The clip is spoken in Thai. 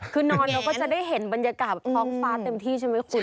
คือนอนเราก็จะได้เห็นบรรยากาศท้องฟ้าเต็มที่ใช่ไหมคุณ